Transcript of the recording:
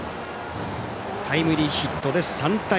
タイムリーヒットで３対２。